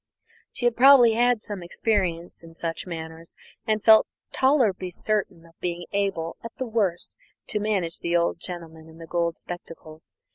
She had probably had some experience in such matters, and felt tolerably certain of being able, at the worst, to manage the old gentleman in the gold spectacles.